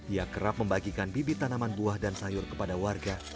ia kerap membagikan bibit tanaman buah dan sayur kepada warga